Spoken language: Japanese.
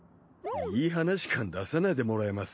いい話感出さないでもらえます？